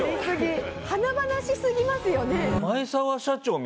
華々しすぎますよね。